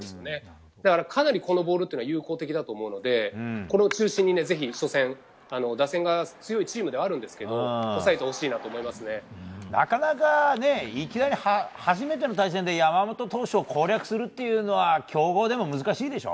だからかなりこのボールは有効的だと思うのでこれを中心に初戦、ドミニカ共和国戦打線が強いチームですがなかなかいきなり初めての対戦で山本投手を攻略するのは強豪でも難しいでしょ？